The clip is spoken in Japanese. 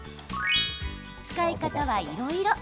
使い方は、いろいろ。